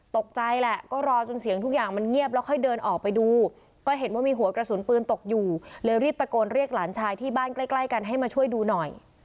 ตกใจแหละก็รอจนเสียงทุกอย่างมันเงียบแล้วค่อยเดินออกไปดูก็เห็นว่ามีหัวกระสุนปืนตกอยู่เลยรีบตะโกนเรียกหลานชายที่บ้านใกล้ใกล้กันให้มาช่วยดูหน่อย